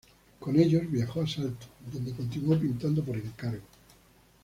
Con ellos viajó a Salto, donde continuó pintando por encargo.